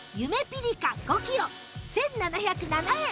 ぴりか５キロ１７０７円